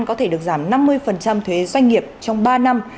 có thể được giảm năm mươi thuế doanh nghiệp trong ba năm